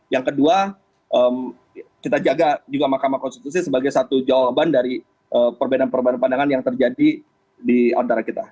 yang kedua kita jaga juga mahkamah konstitusi sebagai satu jawaban dari perbedaan perbedaan pandangan yang terjadi di antara kita